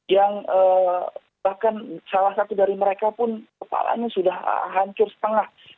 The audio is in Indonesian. yang bahkan salah satu dari mereka pun kepalanya sudah hancur setengah